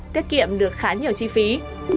tiết kiệm được khá nhiều chi phí